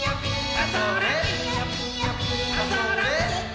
あ、それっ。